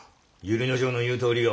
利之丞の言うとおりよ。